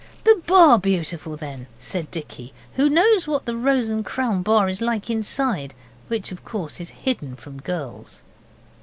'The "Bar Beautiful" then,' said Dicky, who knows what the 'Rose and Crown' bar is like inside, which of course is hidden from girls.